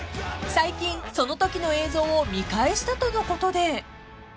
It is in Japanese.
［最近そのときの映像を見返したとのことで］